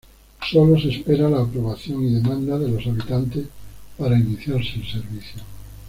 Solo se espera la aprobación y demanda de los habitantes para iniciarse el servicio.